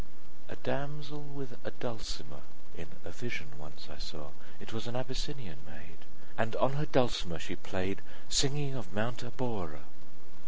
A damsel with a dulcimer In a vision once I saw: It was an Abyssinian maid, And on her dulcimer she play'd, 40 Singing of Mount Abora.